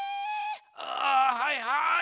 ああはいはい！